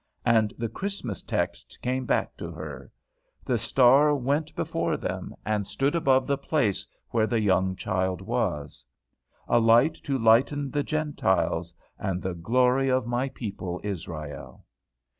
And the Christmas text came back to her. "The star went before them, and stood above the place where the young child was." "A light to lighten the Gentiles, and the glory of my people Israel!"